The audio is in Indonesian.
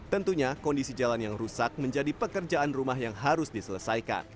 tentunya kondisi jalan yang rusak menjadi pekerjaan rumah yang harus diselesaikan